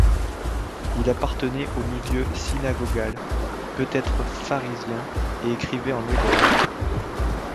Il appartenait au milieu synagogal, peut-être pharisien, et écrivait en hébreu.